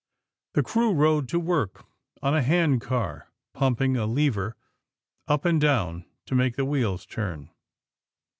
The crew rode to work on a handcar, pumping a lever up and down to make the wheels turn.